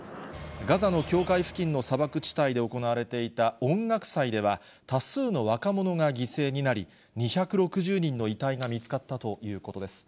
ガザの境界付近の砂漠地帯で行われていた音楽祭では、多数の若者が犠牲になり、２６０人の遺体が見つかったということです。